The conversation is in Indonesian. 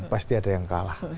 pasti ada yang kalah